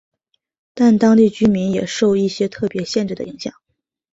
但当地居民也受一些特别限制的影响。